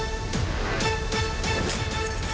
สวัสดีครับคุณผู้ชมค่ะต้อนรับเข้าที่วิทยาลัยศาสตร์